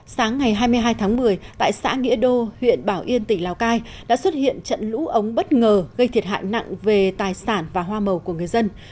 sáng ngày hai mươi hai tháng một mươi tại xã nghĩa đô huyện bảo yên tỉnh lào cai đã xuất hiện trận lũ ống bất ngờ gây thiệt hại nặng về tài sản và hoa màu của người dân